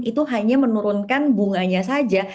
itu hanya menurunkan bunganya saja